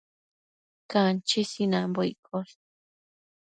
Canchi sinanbo iccosh